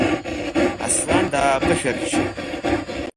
Аслан дааԥышәарччеит.